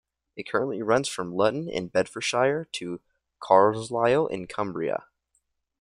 It currently runs from Luton in Bedfordshire to Carlisle in Cumbria.